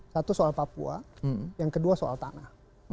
satu soal papua yang kedua soal tanah